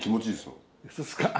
そうですか。